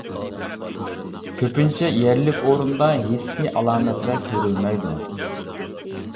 كۆپىنچە، يەرلىك ئورۇندا ھېسسىي ئالامەتلەر كۆرۈلمەيدۇ.